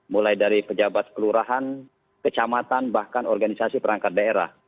mulai dari pejabat kelurahan kecamatan bahkan organisasi perangkat daerah